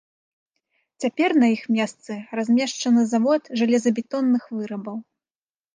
Цяпер на іх месцы размешчаны завод жалезабетонных вырабаў.